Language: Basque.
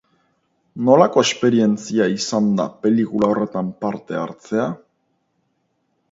Nolako esperientzia izan da pelikula horretan parte hartzea?